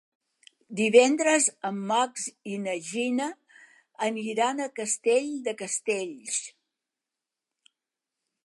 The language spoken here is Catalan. Divendres en Max i na Gina aniran a Castell de Castells.